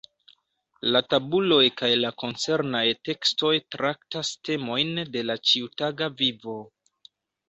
La tabuloj kaj la koncernaj tekstoj traktas temojn de la ĉiutaga vivo.